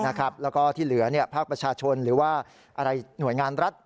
แล้วก็ที่เหลือภาคประชาชนหรือว่าหน่วยงานรัฐ